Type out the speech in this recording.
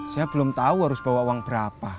saya belum tahu harus bawa uang berapa